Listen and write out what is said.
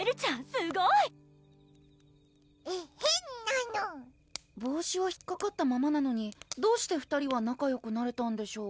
すごいえっへんなの帽子は引っかかったままなのにどうして２人は仲よくなれたんでしょう？